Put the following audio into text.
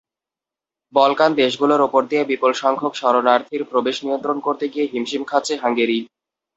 Balkan দেশগুলোর ওপর দিয়ে বিপুলসংখ্যক শরণার্থীর প্রবেশ নিয়ন্ত্রণ করতে গিয়ে হিমশিম খাচ্ছে হাঙ্গেরি।